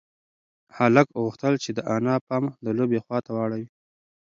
هلک غوښتل چې د انا پام د لوبې خواته واړوي.